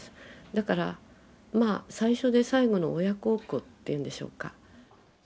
だから最初で最後の親孝行っていうんでしょうか。